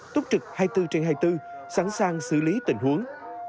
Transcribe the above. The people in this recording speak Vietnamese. túc trực hai mươi bốn trên hai mươi bốn sẵn sàng xử lý tình huống